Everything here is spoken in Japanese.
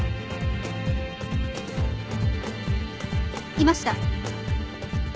いました！